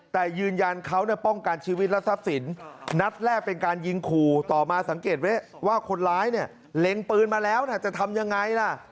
แต่ยืนยันเขาป้องกันชีวิตและทรัพย์สินนัดแรกเป็นการยิงขู่ต่อมาสังเกตไว้ว่าคนร้ายเนี่ยเล็งปืนมาแล้วนะจะทำยังไงล่ะ